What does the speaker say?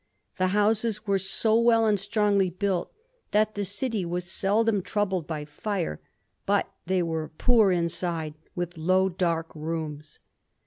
The houses were so well and strongly built that the <5ity was seldom troubled by fire, but they were poor inside, with low, dark rooms.